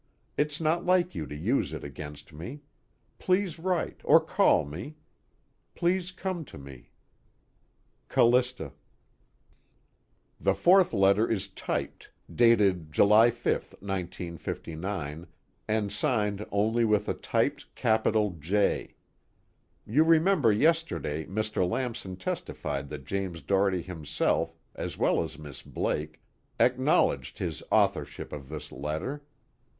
It's not like you to use it against me. Please write, or call me. Please come to me. "Callista." The fourth letter is typed, dated July 5th, 1959, and signed only with a typed capital J. You remember yesterday Mr. Lamson testified that James Doherty himself, as well as Miss Blake, acknowledged his authorship of this letter.